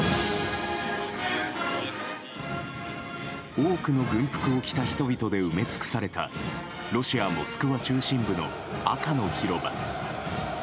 多くの軍服を着た人々で埋め尽くされたロシア・モスクワ中心部の赤の広場。